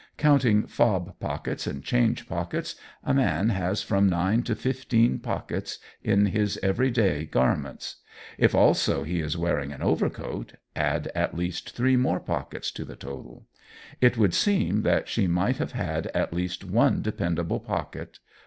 Counting fob pockets and change pockets, a man has from nine to fifteen pockets in his everyday garments. If also he is wearing an overcoat, add at least three more pockets to the total. It would seem that she might have had at least one dependable pocket.